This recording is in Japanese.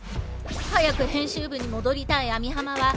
早く編集部に戻りたい網浜は。